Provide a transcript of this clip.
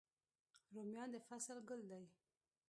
رومیان د فصل ګل دی